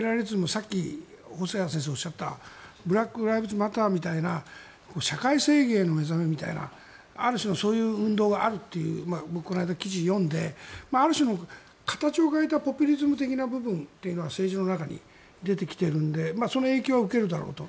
さっき、細谷先生がおっしゃったブラック・ライブズ・マターみたいな社会正義への目覚めみたいなある種のそういう運動があるという僕、この間、記事を読んである種、形を変えたポピュリズム的な部分は政治の中に出てきているのでその影響は受けるだろうと。